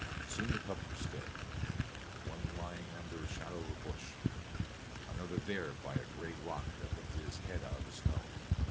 Soon the cubs were still, one lying here under shadow of a bush, another there by a gray rock that lifted its head out of the snow.